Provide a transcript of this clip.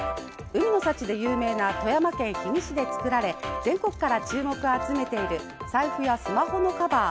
海の幸で有名な富山県氷見市で作られ全国から注目を集めている財布やスマホのカバー。